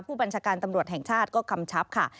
ผู้บัญชาการตำรวจแห่งชาติก็กำชับค่ะ